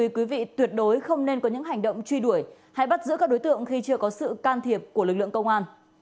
quý vị tuyệt đối không nên có những hành động truy đuổi hay bắt giữ các đối tượng khi chưa có sự can thiệp của lực lượng công an